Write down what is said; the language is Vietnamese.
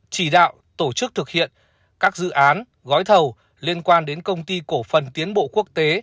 chỉ đạo tổ chức thực hiện các dự án gói thầu liên quan đến công ty cổ phần tiến bộ quốc tế